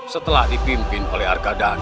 setelah dipimpin oleh arkadhan